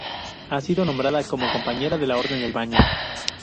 Ha sido nombrada como compañera de la Orden del Baño.